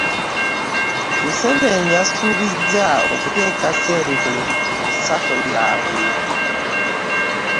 Museveni yasuubizza okuteeka ssente mu SACCO yaabwe